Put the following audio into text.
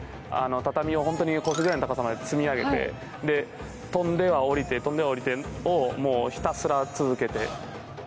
畳を腰ぐらいの高さまで積み上げて、跳んでは下りて跳んでは下りてをひたすら続けて。